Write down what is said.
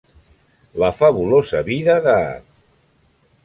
La fabulosa vida de...